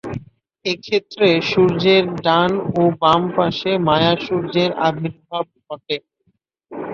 এক্ষেত্রে সূর্যের ডান ও বাম পাশে মায়া সূর্যের আবির্ভাব ঘটে।